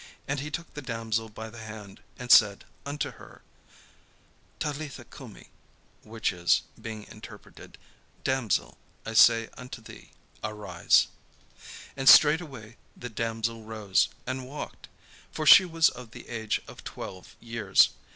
And he took the damsel by the hand, and said unto her: "Talitha cumi;" which is, being interpreted, "Damsel, I say unto thee, arise." And straightway the damsel arose, and walked; for she was of the age of twelve years.